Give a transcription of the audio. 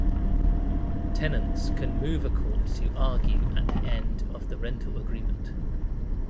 Tenants can move a court to argue at the end of the rental agreement.